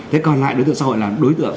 thế còn lại đối tượng xã hội là đối tượng